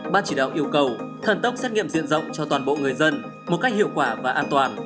ban chỉ đạo yêu cầu thần tốc xét nghiệm diện rộng cho toàn bộ người dân một cách hiệu quả và an toàn